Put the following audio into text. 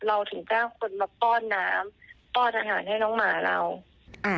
เราถึงจ้างคนมาป้อนน้ำป้อนอาหารให้น้องหมาเราอ่า